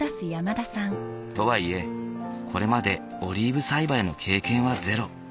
とはいえこれまでオリーブ栽培の経験はゼロ。